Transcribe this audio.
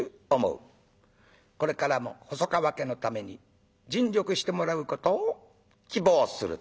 これからも細川家のために尽力してもらうことを希望する」。